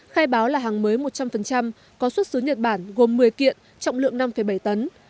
khai báo là hàng mới một trăm linh có xuất xứ nhật bản gồm một mươi kiện trọng lượng năm bảy tấn